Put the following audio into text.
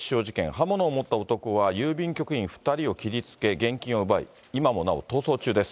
刃物を持った男は、郵便局員２人を切りつけ、現金を奪い、今もなお逃走中です。